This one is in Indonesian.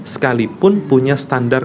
sekalipun punya standar